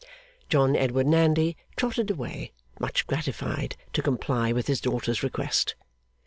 John Edward Nandy trotted away, much gratified, to comply with his daughter's request.